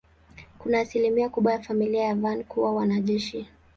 Kuna asilimia kubwa ya familia ya Van kuwa wanajeshi.